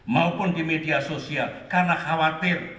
maupun di media sosial karena khawatir